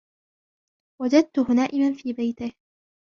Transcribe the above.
وجدته نائما في بيته.